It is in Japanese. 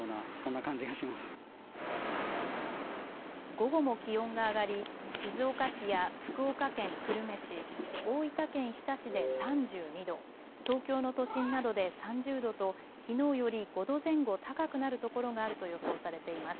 午後も気温が上がり静岡市や福岡県久留米市、大分県日田市で３２度、東京の都心などで３０度ときのうより５度前後高くなる所があると予想されています。